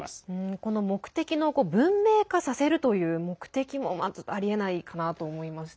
この目的の文明化させるという目的もまずありえないかなと思いました。